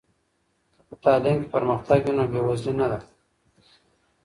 که په تعلیم کې پرمختګ وي، نو بې وزلي نه ده.